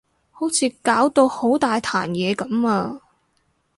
好似搞到好大壇嘢噉啊